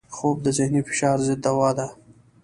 خوب د ذهني فشار ضد دوا ده